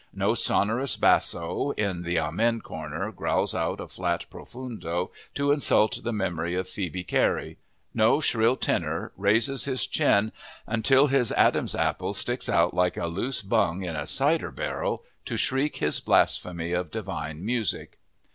No sonorous basso in the amen corner growls out a flat profundo to insult the memory of Phoebe Carey; no shrill tenor raises his chin until his Adam's apple sticks out like a loose bung in a cider barrel, to shriek his blasphemy of divine music!